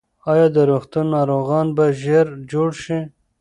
ایا د روغتون ناروغان به ژر جوړ شي؟